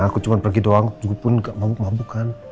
aku cuma pergi doang cukup pun gak mabuk mabuk kan